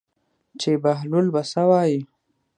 چې بهلول به څه وایي.